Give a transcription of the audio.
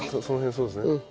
その辺そうですね。